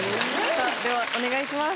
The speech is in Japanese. さあではお願いします。